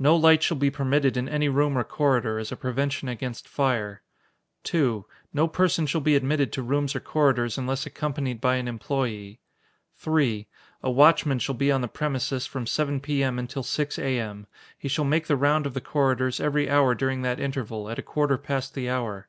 No light shall be permitted in any room or corridor, as a prevention against fire. 2. No person shall be admitted to rooms or corridors unless accompanied by an employee. 3. A watchman shall be on the premises from 7 P.M. until 6 A.M. He shall make the round of the corridors every hour during that interval, at a quarter past the hour.